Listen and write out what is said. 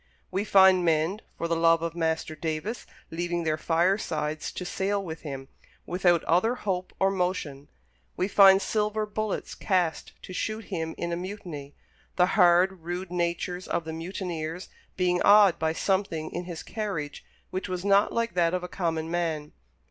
We find men, for the love of Master Davis, leaving their firesides to sail with him, without other hope or motion; we find silver bullets cast to shoot him in a mutiny; the hard, rude natures of the mutineers being awed by something in his carriage which was not like that of a common man.